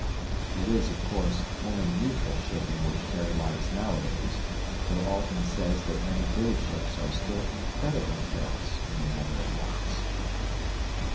It is, of course, only neutral shipping which carry lights nowadays, though Alten says that many British ships are still incredibly careless in the matter of lights.